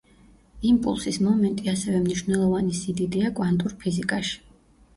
იმპულსის მომენტი ასევე მნიშვნელოვანი სიდიდეა კვანტურ ფიზიკაში.